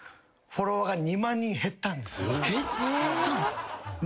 減ったんですか！？え！？